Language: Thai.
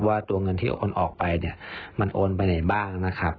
ว่าตัวเงินที่โอนออกไปเนี่ยมันโอนไปไหนบ้างนะครับ